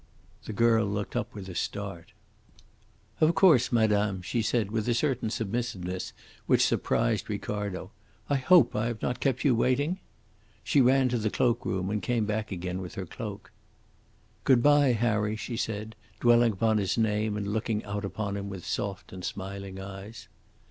The girl looked up with a start. "Of course, madame," she said, with a certain submissiveness which surprised Ricardo. "I hope I have not kept you waiting." She ran to the cloak room, and came back again with her cloak. "Good bye, Harry," she said, dwelling upon his name and looking out upon him with soft and smiling eyes.